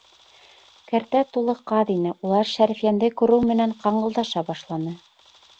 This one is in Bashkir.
Кәртә тулы ҡаҙ ине, улар Шәрифйәнде күреү менән ҡаңғылдаша башланы.